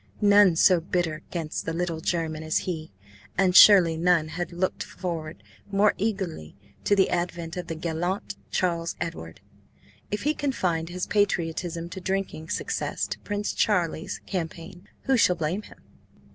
None so bitter 'gainst the little German as he, and surely none had looked forward more eagerly to the advent of the gallant Charles Edward. If he confined his patriotism to drinking success to Prince Charlie's campaign, who shall blame him?